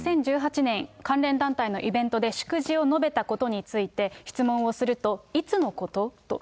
２０１８年、関連団体のイベントで祝辞を述べたことについて質問をすると、いつのこと？と。